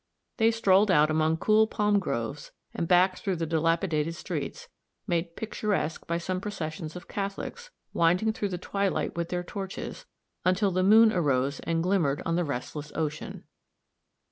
They strolled out among cool palm groves, and back through the dilapidated streets, made picturesque by some processions of Catholics, winding through the twilight with their torches, until the moon arose and glimmered on the restless ocean.